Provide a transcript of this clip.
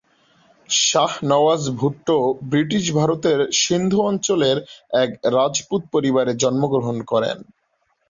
Shah Nawaz Bhutto British ভারতের সিন্ধ অঞ্চলের এক রাজপুত পরিবারে জন্মগ্রহণ করেন।